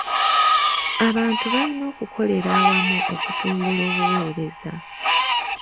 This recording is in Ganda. Abantu balina okukolera awamu okutumbula obuweereza.